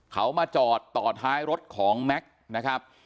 เขามาจอดต่อท้ายรถของแม็กซ์นะครับ